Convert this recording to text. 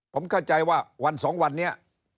ผมเข้าใจว่าวันสองวันนี้